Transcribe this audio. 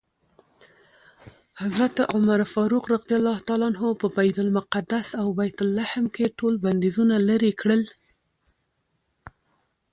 حضرت عمر فاروق په بیت المقدس او بیت لحم کې ټول بندیزونه لرې کړل.